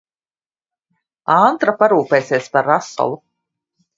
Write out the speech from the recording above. Antra parūpesies par rasolu.